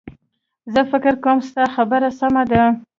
زه فکر کوم ستا خبره سمه ده